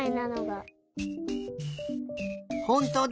ほんとうだ！